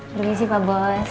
berhenti sih pak bos